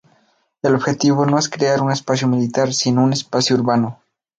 El objetivo no es crear un espacio militar, sino un espacio urbano.